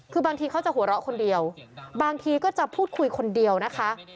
คือบางทีเขาจะหัวเราะคนเดียวบางทีก็จะพูดคุยคนเดียวนะคะ